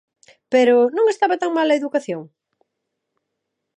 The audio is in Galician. Pero ¿non estaba tan mal a educación?